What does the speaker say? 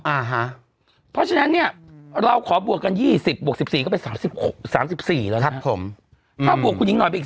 อ่าฮะเพราะฉะนั้นเนี่ยอืมเราขอบวกกันยี่สิบบวกสิบสี่ก็เป็นสามสิบหก